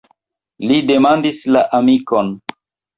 Li demandis la amikon.